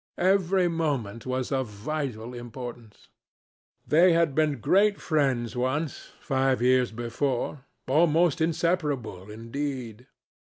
Every moment was of vital importance. They had been great friends once, five years before—almost inseparable, indeed.